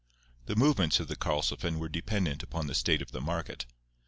The movements of the Karlsefin were dependent upon the state of the market.